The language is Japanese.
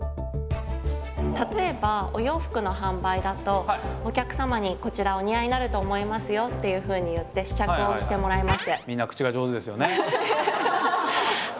例えばお洋服の販売だとお客様に「こちらお似合いになると思いますよ」っていうふうに言って試着をしてもらいます。